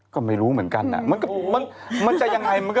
ก็ไม่รู้เหมือนกันมันจะอย่างไรมันก็